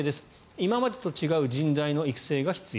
今までと違う人材の育成が必要。